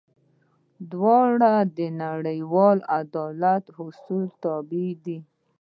دواړه د نړیوال عدالت اصولو تابع دي.